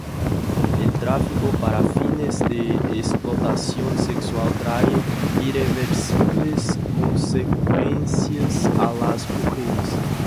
El tráfico para fines de explotación sexual trae irreversibles consecuencias a las mujeres.